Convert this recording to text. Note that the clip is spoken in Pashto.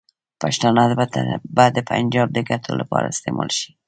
پښتانه به د پنجاب د ګټو لپاره استعمال شي.